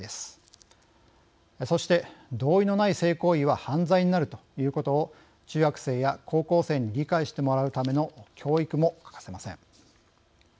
そして同意のない性行為は犯罪になるということを中学生や高校生に理解してもらうための教育も欠かせません。